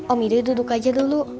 om ido duduk aja dulu